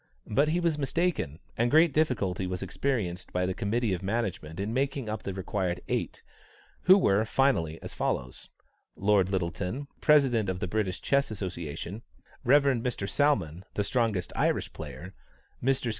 But he was mistaken, and great difficulty was experienced by the Committee of Management in making up the required eight, who were, finally, as follows: Lord Lyttelton, President of the British Chess Association, Rev. Mr. Salmon, the strongest Irish player, Messrs.